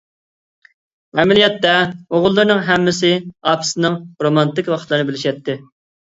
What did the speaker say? ئەمەلىيەتتە ئوغۇللىرىنىڭ ھەممىسى ئاپىسىنىڭ رومانتىك ۋاقىتلىرىنى بىلىشەتتى.